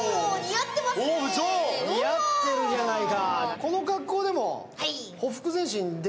似合ってるじゃないか。